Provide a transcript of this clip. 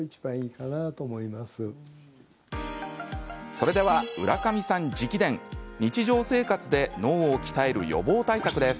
それでは、浦上さん直伝日常生活で脳を鍛える予防対策です。